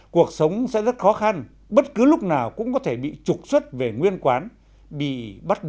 cuộc sống sẽ rất khó khăn bất cứ lúc nào cũng có thể bị trục xuất về nguyên quán bị bắt giữ